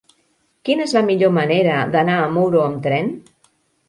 Quina és la millor manera d'anar a Muro amb tren?